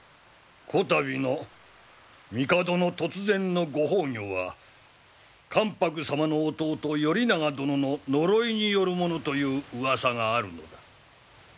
こたびの帝の突然のご崩御は関白様の弟頼長殿の呪いによるものといううわさがあるのだ。